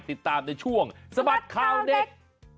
ติดตามในช่วงสบัดข่าวเด็ก